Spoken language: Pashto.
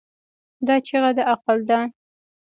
دا چیغه د عقل ده.